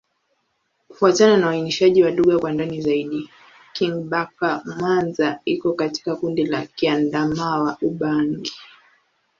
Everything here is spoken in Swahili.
Kufuatana na uainishaji wa lugha kwa ndani zaidi, Kingbaka-Manza iko katika kundi la Kiadamawa-Ubangi.